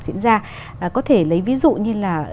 diễn ra có thể lấy ví dụ như là